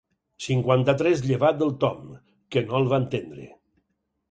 Cinquanta-tres llevat del Tom, que no el va entendre.